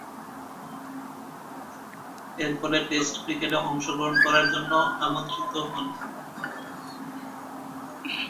এরফলে টেস্ট ক্রিকেটে অংশগ্রহণ করার জন্য আমন্ত্রিত হন।